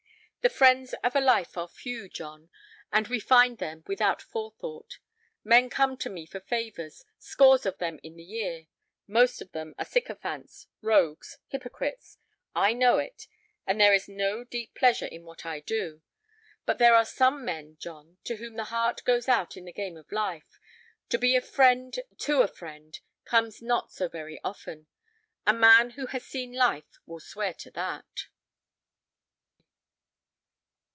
The friends of a life are few, John, and we find them without forethought. Men come to me for favors, scores of them in the year; most of them are sycophants, rogues, hypocrites; I know it, and there is no deep pleasure in what I do. But there are some men, John, to whom the heart goes out in the game of life. To be a friend to a friend comes not so very often. A man who has seen life will swear to that."